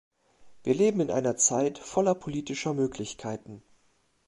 Wir leben in einer Zeit voller politischer Möglichkeiten.